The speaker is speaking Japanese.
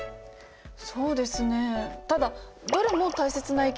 そうですね。